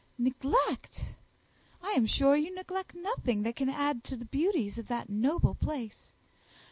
"Neglect! I am sure you neglect nothing that can add to the beauties of that noble place.